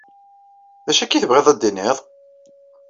D acu akka i tebɣiḍ ad tiniḍ?